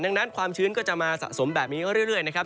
ดังนั้นความชื้นก็จะมาสะสมแบบนี้เรื่อยนะครับ